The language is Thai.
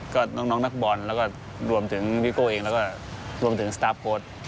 ก็น้องนักบอลแล้วก็รวมถึงพี่โก้เองแล้วก็รวมถึงสตาร์ฟโค้ด